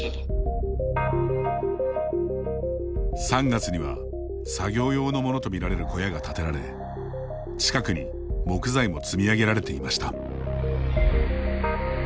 ３月には作業用のものと見られる小屋が建てられ、近くに木材も積み上げられていました。